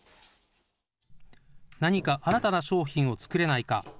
何か新たな商品を作れないか。